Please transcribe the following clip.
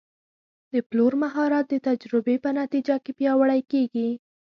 د پلور مهارت د تجربې په نتیجه کې پیاوړی کېږي.